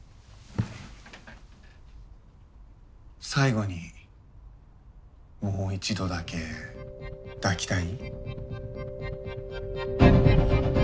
最後にもう一度だけ抱きたい？